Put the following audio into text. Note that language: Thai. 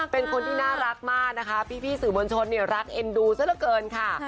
เป็นคนที่น่ารักมากนะคะพี่สื่อบนชนรักเอ็นดูซะเหลือเกินค่ะ